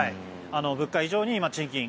物価以上に賃金